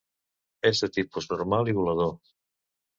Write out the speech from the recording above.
És de tipus normal i volador.